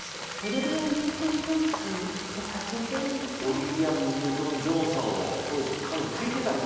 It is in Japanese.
オリビア・ニュートン・ジョンさんを当時彼女聴いてたんですね。